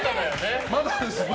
まだですね。